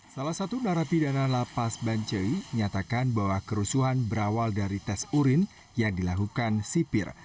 salah satu narapi dan ala pas bancai nyatakan bahwa kerusuhan berawal dari tes urin yang dilakukan sipir